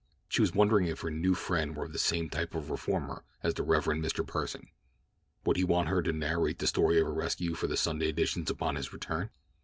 She was wondering if her new friend were of the same type of reformer as the Rev. Mr. Pursen. Would he want her to narrate the story of her rescue for the Sunday editions upon his return?